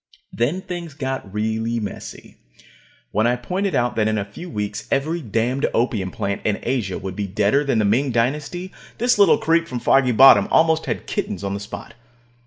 Then things got really messy. When I pointed out that in a few weeks every damned opium plant in Asia would be deader than the Ming Dynasty, this little creep from Foggy Bottom almost had kittens on the spot.